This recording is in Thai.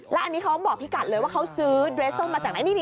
แล้วอันนี้เขาบอกพี่กัดเลยว่าเขาซื้อเดรสส้มมาจากไหน